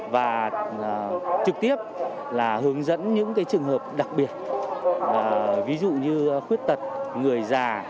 và trực tiếp là hướng dẫn những trường hợp đặc biệt ví dụ như khuyết tật người già